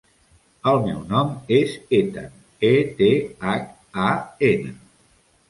El meu nom és Ethan: e, te, hac, a, ena.